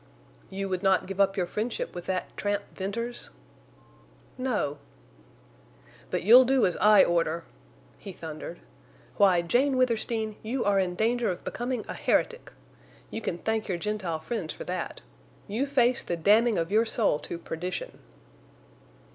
"You would not give up your friendship with that tramp Venters?" "No." "But you'll do as I order!" he thundered. "Why, Jane Withersteen, you are in danger of becoming a heretic! You can thank your Gentile friends for that. You face the damning of your soul to perdition."